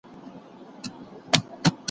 استازي د خپلو خلګو له پاره څه کوي؟